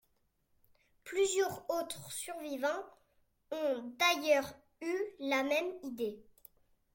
Plusieurs autres survivants ont d'ailleurs eu la même idée.